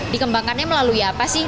dikembangkannya melalui apa sih